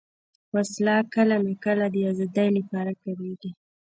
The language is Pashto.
وسله کله ناکله د ازادۍ لپاره کارېږي